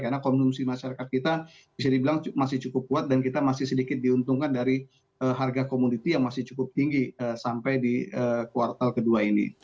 karena kondisi masyarakat kita bisa dibilang masih cukup kuat dan kita masih sedikit diuntungkan dari harga komoditi yang masih cukup tinggi sampai di kuartal ke dua ini